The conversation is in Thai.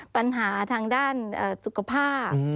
ปัญหาทางด้านสุขภาพ